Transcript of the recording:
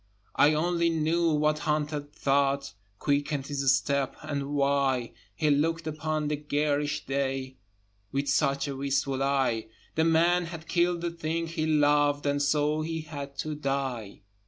I only knew what hunted thought Quickened his step, and why He looked upon the garish day With such a wistful eye; The man had killed the thing he loved And so he had to die.